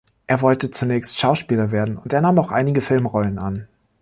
Er wollte zunächst Schauspieler werden und er nahm auch einige Filmrollen an.